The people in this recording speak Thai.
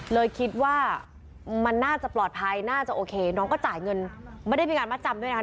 เลยคิดว่ามันน่าจะปลอดภัยน่าจะโอเคน้องก็จ่ายเงินไม่ได้มีการมัดจำด้วยนะคะ